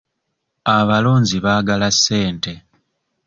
Abalonzi baagala ssente.